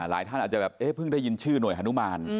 ท่านอาจจะแบบเพิ่งได้ยินชื่อหน่วยฮานุมาน